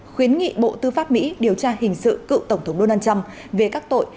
khuyến nghị bộ tư pháp mỹ điều tra hình sự cựu tổng thống donald trump về các tội